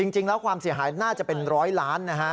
จริงแล้วความเสียหายน่าจะเป็นร้อยล้านนะฮะ